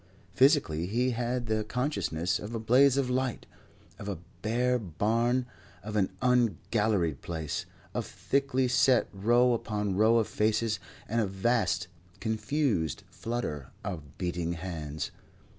Physically he had the consciousness of a blaze of light, of a bare barn of an ungalleried place, of thickly set row upon row of faces, and a vast confused flutter of beating hands.